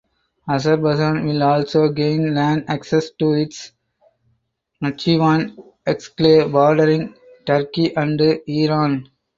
Azerbaijan will also gain land access to its Nakhchivan exclave bordering Turkey and Iran.